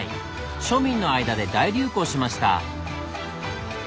庶民の間で大流行しました。